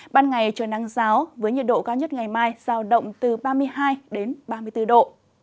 ban ngày trời nắng giáo với nhiệt độ cao nhất ngày mai giao động từ ba mươi hai độ